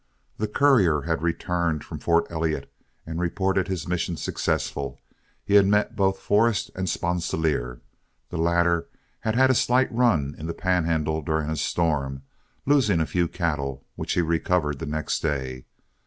The courier had returned from Fort Elliott and reported his mission successful; he had met both Forrest and Sponsilier. The latter had had a slight run in the Panhandle during a storm, losing a few cattle, which he recovered the next day.